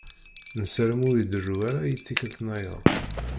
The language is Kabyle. Nessaram ur d-iḍeṛṛu ara i tikkelt-nnayeḍ.